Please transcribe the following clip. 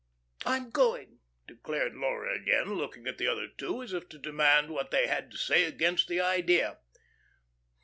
"I'm going," declared Laura again, looking at the other two, as if to demand what they had to say against the idea.